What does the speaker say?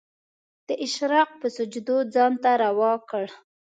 د اشراق په سجدو ځان ته روا کړ